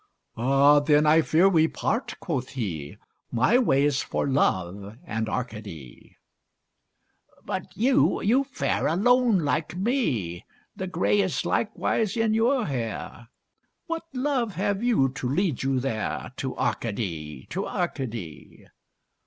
Ah, then I fear we part (quoth he), My way's for Love and Arcady. But you, you fare alone like me; The gray is likewise in your hair. What love have you to lead you there. To Arcady, to Arcady?